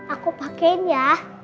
aku pakein ya